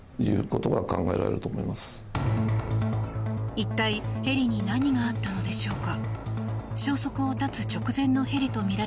一体、ヘリに何があったのでしょうか。